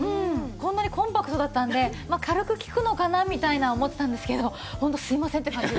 こんなにコンパクトだったので軽く効くのかなみたいな思ってたんですけどホントすいませんって感じ。